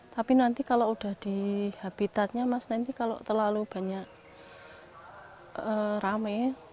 tapi nanti kalau udah di habitatnya mas nanti kalau terlalu banyak rame